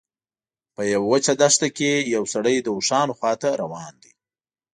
په یوه وچه دښته کې یو سړی د اوښانو خواته روان دی.